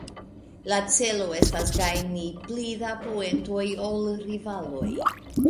La celo estas gajni pli da poentoj ol rivaloj.